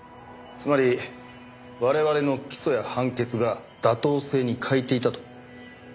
つまり我々の起訴や判決が妥当性に欠いていたと？